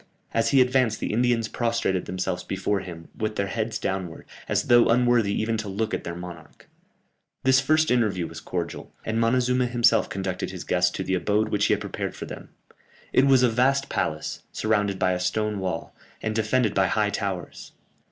As he advanced the Indians prostrated themselves before him, with their heads downwards, as though unworthy even to look at their monarch. This first interview was cordial, and Montezuma himself conducted his guests to the abode which he had prepared for them. It was a vast palace, surrounded by a stone wall, and defended by high towers.